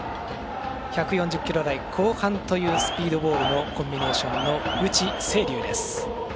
１４０キロ台後半というスピードボールのコンビネーションの内星龍です。